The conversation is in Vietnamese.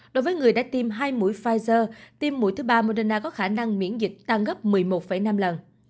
đối với người đã tiêm hai mũi pfizer tim mũi thứ ba moderna có khả năng miễn dịch tăng gấp một mươi một năm lần